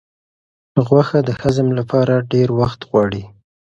غوښه د هضم لپاره ډېر وخت غواړي.